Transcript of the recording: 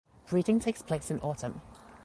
Breeding takes place in autumn.